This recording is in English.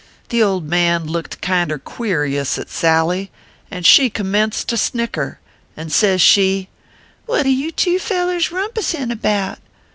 The old man looked kinder queerious at Sally, and she commenced to snicker ; and sez she : What are you two fellers rumpussin about